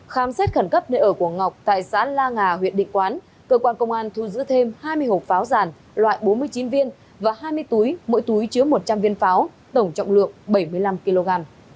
khám xét khẩn cấp nơi ở của ngọc tại xã la nga huyện định quán cơ quan công an thu giữ thêm hai mươi hộp pháo giàn loại bốn mươi chín viên và hai mươi túi mỗi túi chứa một trăm linh viên pháo tổng trọng lượng bảy mươi năm kg